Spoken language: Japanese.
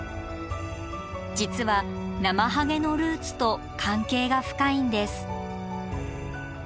実はナマハゲのルーツと関係が深いんです。